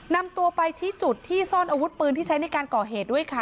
นำตัวไปชี้จุดที่ซ่อนอาวุธปืนที่ใช้ในการก่อเหตุด้วยค่ะ